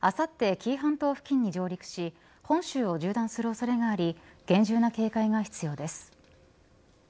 紀伊半島付近に上陸し本州を縦断する恐れがあり厳重な警戒が必要です。